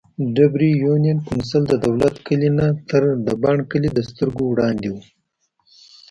ډېرۍ يونېن کونسل ددولت کلي نه تر د بڼ کلي دسترګو وړاندې وو ـ